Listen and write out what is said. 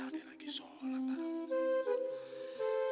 dia lagi sholat tau